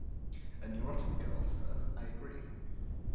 A neurotic girl, sir, I agree.